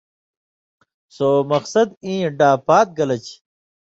سو مقصد ایں ڈا پات گلہ چھی۔